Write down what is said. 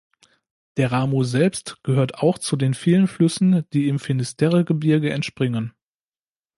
Der Ramu selbst gehört auch zu den vielen Flüssen, die im Finisterre-Gebirge entspringen.